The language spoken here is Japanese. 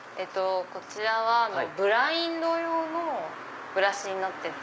こちらはブラインド用のブラシになってて。